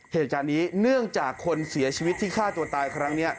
เหตุการณ์นี้เนื่องจากคนเสียชีวิตที่ฆ่าตัวตายครั้งนี้